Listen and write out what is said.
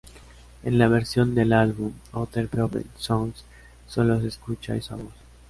En la versión del álbum "Other People's Songs" solo se escucha esa voz.